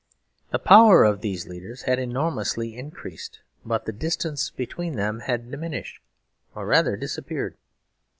The power of these leaders had enormously increased; but the distance between them had diminished, or, rather, disappeared.